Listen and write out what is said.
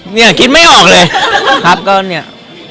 เนี่ยคิดไม่ออกเลย